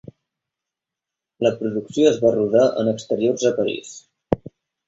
La producció es va rodar en exteriors a París.